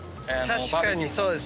確かにそうですね。